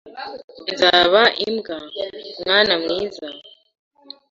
Nzaba imbwa, mwana mwiza,